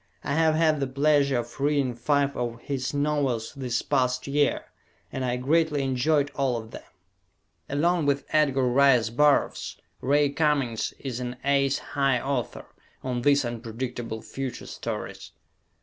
I have had the pleasure of reading five of his novels this past year and I greatly enjoyed all of them. Along with Edgar Rice Burroughs, Ray Cummings is an "ace high" author on these "unpredictable future" stories.